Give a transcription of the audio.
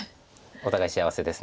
お互い幸せです。